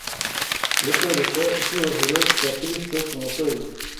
yo kwerekwa icyubahiro cya Kristo ku musozi